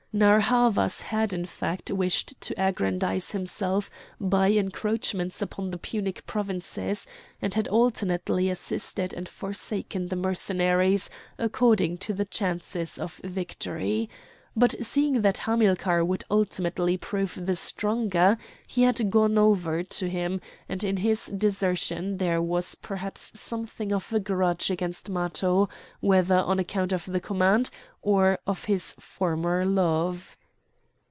Narr' Havas had in fact wished to aggrandise himself by encroachments upon the Punic provinces, and had alternately assisted and forsaken the Mercenaries according to the chances of victory. But seeing that Hamilcar would ultimately prove the stronger, he had gone over to him; and in his desertion there was perhaps something of a grudge against Matho, whether on account of the command or of his former love.